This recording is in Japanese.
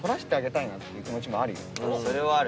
それはある。